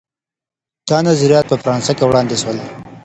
دا نظریات په فرانسه کي وړاندې سول.